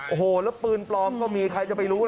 โอ้โหแล้วปืนปลอมก็มีใครจะไปรู้